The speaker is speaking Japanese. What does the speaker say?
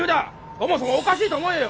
そもそもおかしいと思えよ！